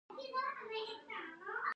تر پنځه سوه میلادي کاله پورې شمېر راټیټ شو.